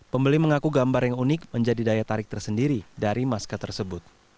pembeli mengaku gambar yang unik menjadi daya tarik tersendiri dari masker tersebut